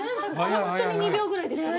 ホントに２秒ぐらいでしたね。